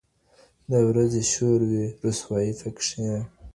د ورځي شور وي رسوایي پکښي